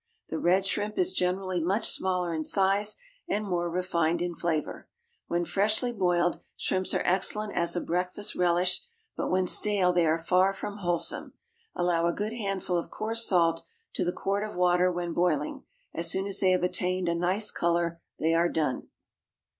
The red shrimp is generally much smaller in size and more refined in flavour. When freshly boiled, shrimps are excellent as a breakfast relish, but when stale they are far from wholesome. Allow a good handful of coarse salt to the quart of water when boiling; as soon as they have attained a nice colour they are done.